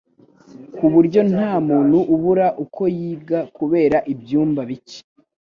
ku buryo nta muntu ubura uko yiga kubera ibyumba bike